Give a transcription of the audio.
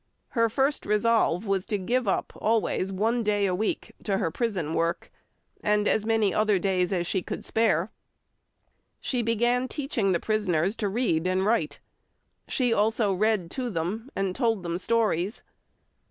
Her first resolve was to give up always one day a week to her prison work, and as many other days as she could spare. She began teaching the prisoners to read and write; she also read to them, and told them stories.